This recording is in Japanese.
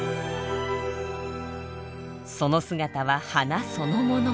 その姿は花そのもの。